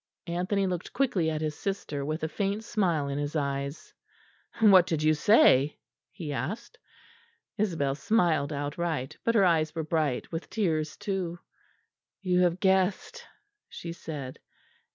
'" Anthony looked quickly at his sister, with a faint smile in his eyes. "And what did you say?" he asked. Isabel smiled outright; but her eyes were bright with tears too. "'You have guessed,' she said.